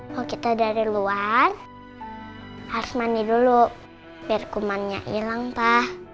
kalau kita dari luar harus mandi dulu biar kumannya hilang pak